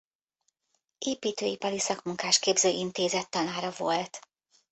Építőipari Szakmunkásképző Intézet tanára volt.